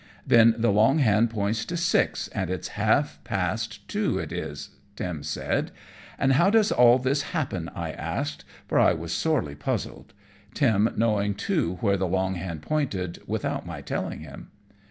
"Then the long hand points to six, and it's half past two it is," Tim said. "And how does all this happen?" I asked, for I was sorely puzzled, Tim knowing too where the long hand pointed, without my telling him.